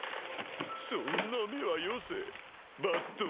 そんな目はよせ抜刀斎。